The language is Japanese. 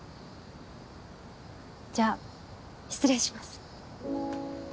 じゃあ失礼します。